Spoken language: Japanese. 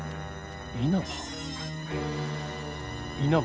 「稲葉」？